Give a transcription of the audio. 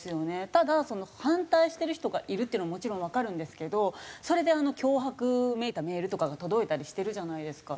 ただ反対してる人がいるっていうのはもちろんわかるんですけどそれで脅迫めいたメールとかが届いたりしてるじゃないですか。